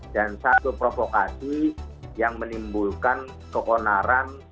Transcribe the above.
dan satu provokasi yang menimbulkan kekonaran